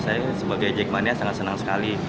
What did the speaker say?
saya sebagai jack mania sangat senang sekali